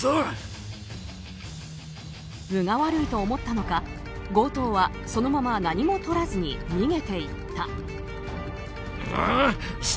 分が悪いと思ったのか強盗はそのまま何も取らずに逃げていった。